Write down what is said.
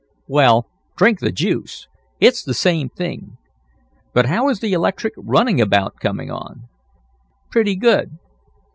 "Well, drink the juice! It's the same thing. But how is the electric runabout coming on?" "Pretty good."